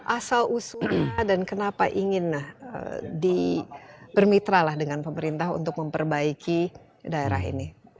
asal usulnya dan kenapa ingin di bermitra lah dengan pemerintah untuk memperbaiki